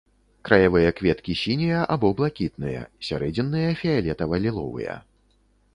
Краявыя кветкі сінія або блакітныя, сярэдзінныя фіялетава-ліловыя.